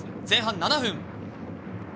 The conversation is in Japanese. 前半７分。